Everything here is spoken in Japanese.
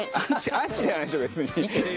アンチではないでしょ別に。